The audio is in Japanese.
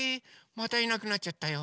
またいなくなっちゃったよ。